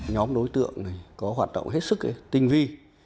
nhóm đối tượng này có hoạt động hết sức tinh vi